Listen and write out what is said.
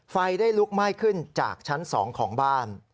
ไฟได้ลุกไหม้ขึ้นจากชั้น๒ของบ้าน